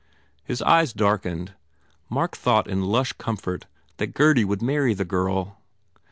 His eyes darkened. Mark thought in lush comfort that Gurdy would marry the girl.